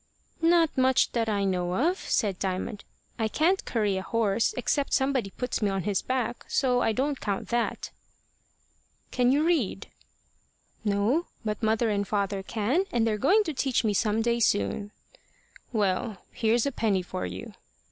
"Not much that I know of," said Diamond. "I can't curry a horse, except somebody puts me on his back. So I don't count that." "Can you read?" "No. But mother can and father can, and they're going to teach me some day soon." "Well, here's a penny for you."